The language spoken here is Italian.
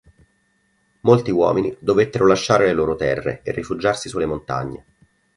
Molti uomini dovettero lasciare le loro terre e rifugiarsi sulle montagne.